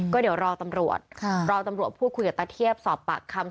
ก็เดี๋ยวรอตำรวจรอตำรวจพูดคุยกับตาเทียบสอบปากคำ